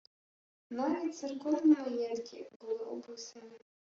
Навіть церковні маєтки були «описані»